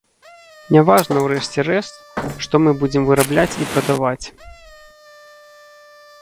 Не важна ў рэшце рэшт што мы будзем вырабляць і прадаваць.